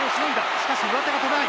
しかし上手が取れない。